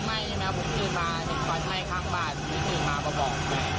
มีความรู้สึกว่าเกิดอะไรขึ้น